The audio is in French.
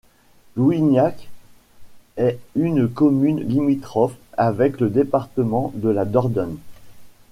Louignac est une commune limitrophe avec le département de la Dordogne.